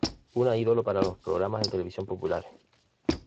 Una ídolo para los programas de televisión populares.